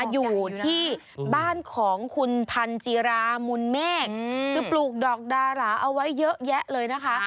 อยู่ที่บ้านของคุณพันจีรามุนเมฆคือปลูกดอกดาราเอาไว้เยอะแยะเลยนะคะ